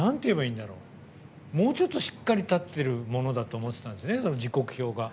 もうちょっとしっかり立ってるものだと思ってたんですね、時刻表が。